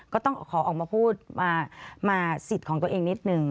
ก็ต้องขอออกมาพูดมาสิทธิ์ของตัวเองนิดนึง